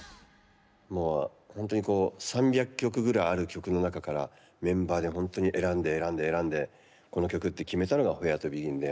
ほんとにこう３００曲ぐらいある曲の中からメンバーでほんとに選んで選んで選んでこの曲って決めたのが「Ｗｈｅｒｅｔｏｂｅｇｉｎ」で。